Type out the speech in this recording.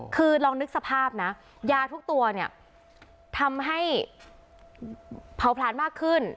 คือลองนึกสภาพนะยาทุกตัวเนี่ยทำให้เผาผลาญมากขึ้น